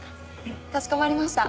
かしこまりました。